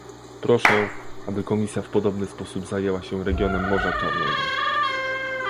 Proszę, aby Komisja w podobny sposób zajęła się regionem Morza Czarnego